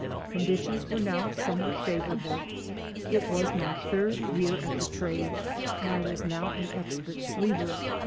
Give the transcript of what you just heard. Conditions were now somewhat favorable. It was my third year at the trade and I was now an expert sleever.